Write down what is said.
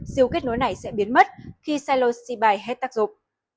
siêu kết nối này sẽ biến mất khi xyloxibide hết tác dụng